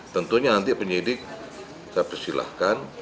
tentunya nanti penyidik saya persilahkan